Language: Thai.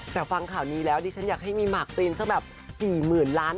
แต่ฟังข่านี้แล้วดิฉันจะอยากให้มากปรินซักแบบ๔๐ล้านคันล้านคน